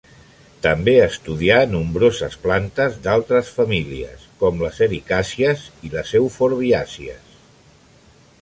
També estudià nombroses plantes d'altres famílies, com les ericàcies i les euforbiàcies.